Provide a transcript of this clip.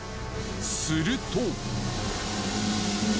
すると。